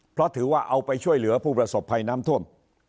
เพราะถือว่าเอาไปช่วยเหลือผู้ประสบภัยน้ำท่วม